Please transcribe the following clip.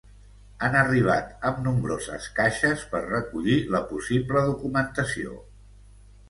Han arribat amb nombroses caixes per recollir la possible documentació.